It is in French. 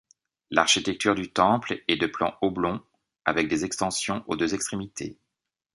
L'architecture du temple est de plan oblong avec des extensions aux deux extrémités.